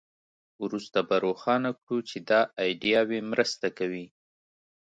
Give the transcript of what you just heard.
وروسته به روښانه کړو چې دا ایډیاوې مرسته کوي